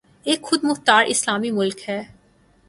ایک خود مختار اسلامی ملک ہے